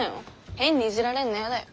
変にいじられんのやだよ。